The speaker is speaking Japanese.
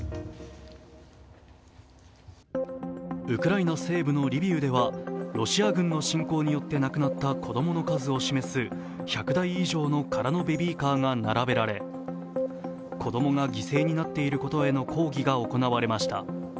ウクライナ西部のリビウではロシア軍の侵攻によって亡くなった子供の数を示す１００台以上の空のベビーカーが並べられ子供が犠牲になっていることへの抗議が行われました。